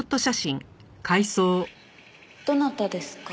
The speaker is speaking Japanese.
どなたですか？